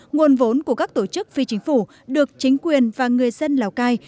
nguồn vốn của các tổ chức phi chính phủ được chính quyền và người dân lào cai